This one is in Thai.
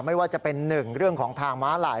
ไม่ว่าจะเป็นหนึ่งเรื่องของทางม้าลาย